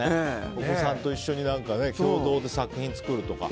お子さんと一緒に共同で作品を作るとか。